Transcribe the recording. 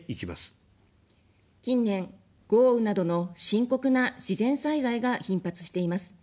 近年、豪雨などの深刻な自然災害が頻発しています。